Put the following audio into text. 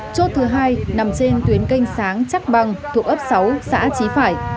chốt thứ hai nằm trên tuyến canh sáng chắc băng thuộc ấp sáu xã trí phải